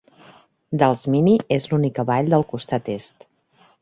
Dalsmynni és l'única vall del costat est.